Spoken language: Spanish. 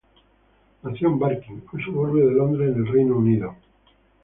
Nació en Barking, un suburbio de Londres en el Reino Unido.